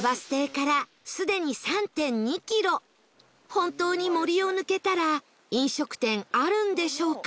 本当に森を抜けたら飲食店あるんでしょうか？